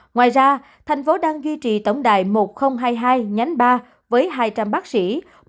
ngoài ra tp hcm đang duy trì tổng đài một nghìn hai mươi hai ba với hai trăm linh bác sĩ